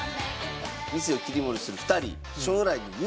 店を切り盛りする２人将来の夢があって。